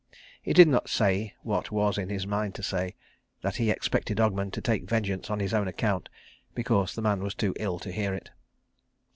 He did not then say what was in his mind to say, that he expected Ogmund to take vengeance on his own account, because the man was too ill to hear it.